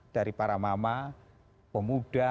dari para mama pemuda